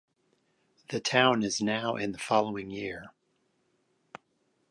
The town is now in the following year.